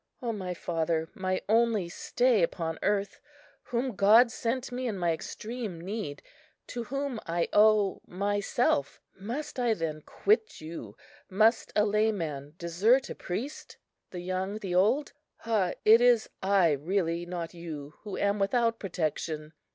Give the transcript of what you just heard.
"O my father, my only stay upon earth, whom God sent me in my extreme need, to whom I owe myself, must I then quit you; must a layman desert a priest; the young the old?... Ah! it is I really, not you, who am without protection.